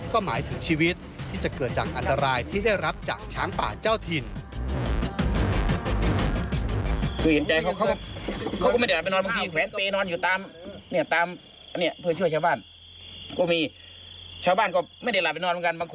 ก็หมายถึงชีวิตที่จะเกิดจากอันตรายที่ได้รับจากช้างป่าเจ้าถิ่น